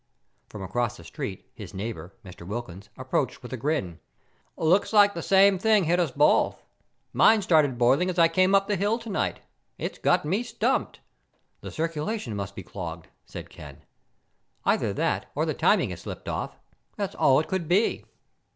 From across the street, his neighbor, Mr. Wilkins, approached with a grin. "Looks like the same thing hit us both. Mine started boiling as I came up the hill tonight. It's got me stumped." "The circulation must be clogged," said Ken. "Either that or the timing has slipped off. That's all it could be."